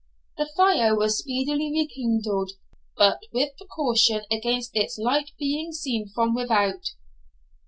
The fire was speedily rekindled, but with precaution against its light being seen from without.